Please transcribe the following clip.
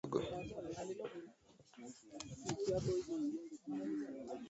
Mimi singeweza hata kidogo